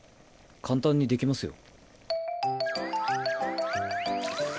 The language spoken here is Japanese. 簡単にできますよ。